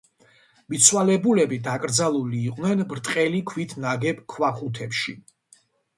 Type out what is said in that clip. მიცვალებულები დაკრძალული იყვნენ ბრტყელი ქვით ნაგებ ქვაყუთებში.